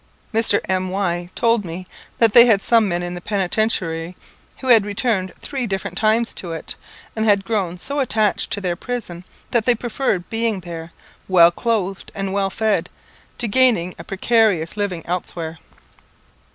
Mr. M y told me that they had some men in the Penitentiary who had returned three different times to it, and had grown so attached to their prison that they preferred being there, well clothed and well fed, to gaining a precarious living elsewhere.